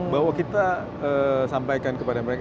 bahwa kita sampaikan kepada mereka